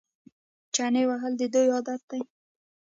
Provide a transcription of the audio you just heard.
چنې وهل د دوی عادت دی.